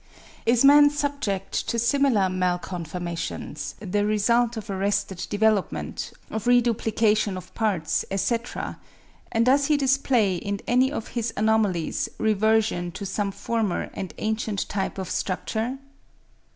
Is man subject to similar malconformations, the result of arrested development, of reduplication of parts, etc., and does he display in any of his anomalies reversion to some former and ancient type of structure?